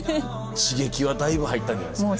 刺激はだいぶ入ったんじゃないですか。